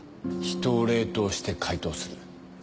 人を冷凍して解凍する。